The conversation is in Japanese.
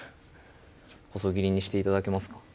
細切りにして頂けますか？